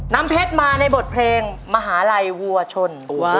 น้ำเพชรมาในบทเพลงมหาลัยวัวชน